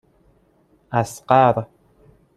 اصغر